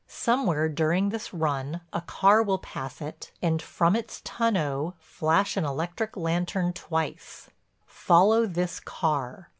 Somewhere during this run a car will pass it and from its tonneau flash an electric lantern twice. Follow this car.